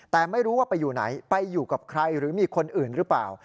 แต่ไม่รู้ว่าไปอยู่ไหนไปอยู่กับใครหรือมีคนอื่นหรือเปล่า